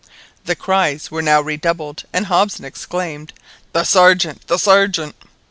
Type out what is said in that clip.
The cries were now redoubled, and Hobson exclaimed— "The Sergeant! the Sergeant!"